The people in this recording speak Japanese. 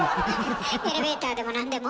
エレベーターでも何でも？